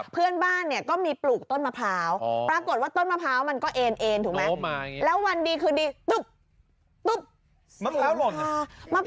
เพื่อนบ้านก็มาปลูกต้นมะพร้าวราบรวมต้นมะพร้าวมันก็เอนถูกไหม